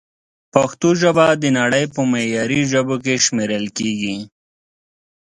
پښتو ژبه د نړۍ په معياري ژبو کښې شمېرل کېږي